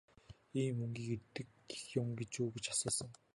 Ийм мөөгийг иддэг юм гэж үү гэж асуусан.